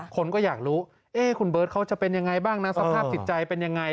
คนก็อยากรู้คุณเบิร์ตเขาจะเป็นยังไงบ้างนะสภาพจิตใจเป็นยังไง